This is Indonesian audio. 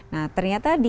nah ternyata di